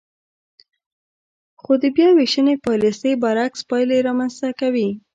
خو د بیاوېشنې پالیسۍ برعکس پایلې رامنځ ته کوي.